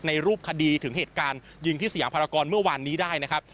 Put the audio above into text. รูปคดีถึงเหตุการณ์ยิงที่สยามภารกรเมื่อวานนี้ได้นะครับ